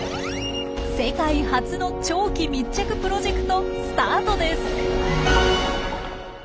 世界初の長期密着プロジェクトスタートです！